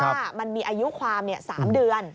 ว่ามันมีอายุความ๓เดือน